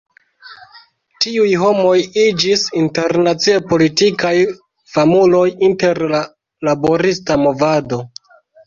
Tiuj homoj iĝis internacie politikaj famuloj inter la laborista movado.